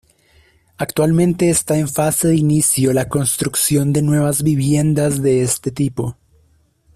Actualmente, está en fase de inicio la construcción de nuevas viviendas de este tipo.